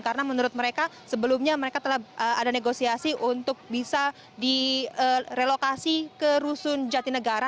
karena menurut mereka sebelumnya mereka telah ada negosiasi untuk bisa direlokasi ke rusun jati negara